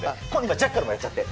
ジャッカルもやっちゃって。